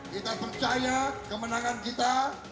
kita percaya kemenangan kita